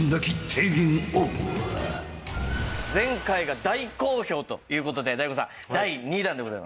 前回が大好評という事で大悟さん第２弾でございます。